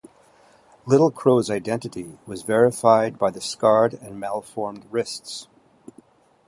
Little Crow's identity was verified by the scarred and malformed wrists.